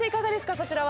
そちらは。